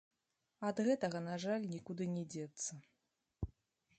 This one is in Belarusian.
Ад гэтага, на жаль, нікуды не дзецца.